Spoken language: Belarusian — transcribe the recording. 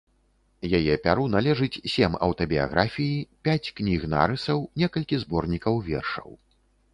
Яе пяру належыць сем аўтабіяграфіі, пяць кніг нарысаў, некалькі зборнікаў вершаў.